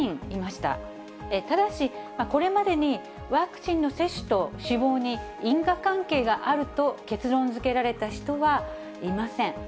ただし、これまでにワクチンの接種と死亡に因果関係があると結論づけられた人はいません。